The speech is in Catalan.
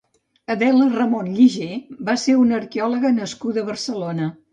Adela Ramon Lligé va ser una arqueòloga nascuda a Barcelona.